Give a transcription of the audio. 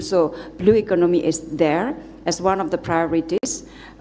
jadi ekonomi biru ada sebagai salah satu prioritas